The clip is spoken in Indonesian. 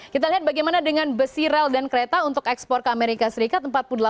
kita lihat bagaimana dengan besi rel dan kereta untuk ekspor ke amerika serikat